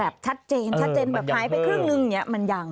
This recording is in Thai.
แบบแผนเป็นครึ่งหนึ่งเนี่ยมันยัง